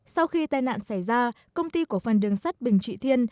sau khi tai nạn xảy ra công ty cổ phần đường sắt bình trị thiên